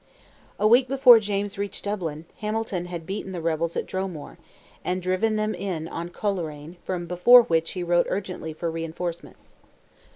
A week before James reached Dublin, Hamilton had beaten the rebels at Dromore, and driven them in on Coleraine, from before which he wrote urgently for reinforcements.